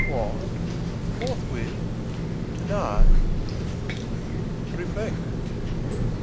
What! forthwith? tonight? Reflect.